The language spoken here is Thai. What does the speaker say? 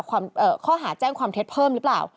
ข้อหาแจ้งความเท็จเพิ่มหรือเปล่า